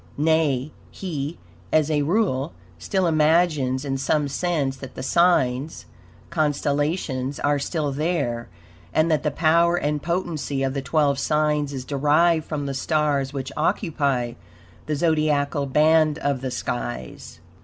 Nay, he, as a rule, still imagines in some sense that the signs (constellations) are still there, and that the power and potency of the twelve signs is derived from the stars which occupy the Zodiacal band of the skies.